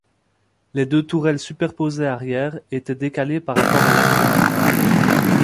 Les deux tourelles superposées arrière étaient décalées par rapport à l'axe du pont.